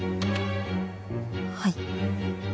はい。